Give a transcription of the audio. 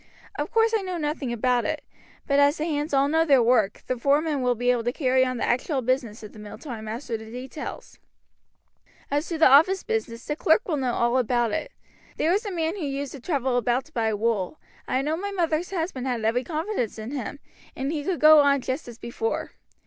Of course I know nothing about it, but as the hands all know their work the foreman will be able to carry on the actual business of the mill till I master the details. "As to the office business, the clerk will know all about it. There was a man who used to travel about to buy wool, I know my mother's husband had every confidence in him, and he could go on just as before.